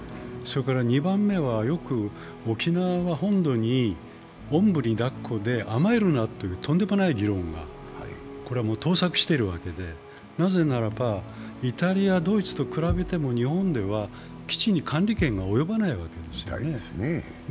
それから２番目はよく沖縄が本土におんぶにだっこで甘えるなというとんでもない議論が、これは倒錯しているわけで、なぜならば、イタリア、ドイツと比べても日本では基地に管理権が及ばないわけです。